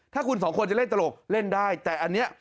ถ้าคุณสองคนจะเล่นตลกเล่นได้แต่อันนี้